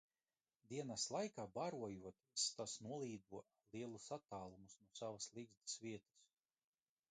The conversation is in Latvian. Dienas laikā barojoties tas nolido lielus attālumus no savas ligzdas vietas.